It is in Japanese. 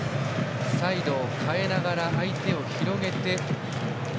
サイドを変えながら相手を広げて。